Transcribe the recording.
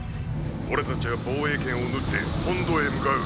俺たちは防衛圏を縫って本土へ向かう。